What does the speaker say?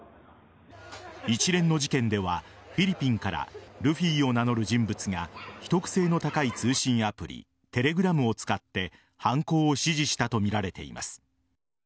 一連の事件ではフィリピンからルフィを名乗る人物が秘匿性の高い通信アプリテレグラムを使って犯行を指示したとみられています。